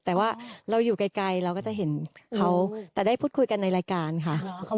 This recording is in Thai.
แต่ว่าเราอยู่ไกลเราก็จะเห็นเขาแต่ได้พูดคุยกันในรายการค่ะ